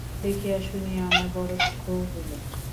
দেখিয়া শুনিয়া আমার বড়ো দুঃখ হইল।